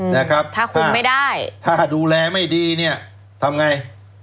นะครับถ้าคุมไม่ได้ถ้าดูแลไม่ดีเนี่ยทำไง